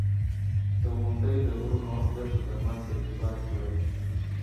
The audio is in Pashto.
• غونډۍ د غرونو او دښتو ترمنځ ارتباط جوړوي.